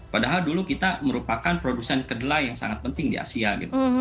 padahal dulu kita merupakan produsen kedelai yang sangat penting di asia gitu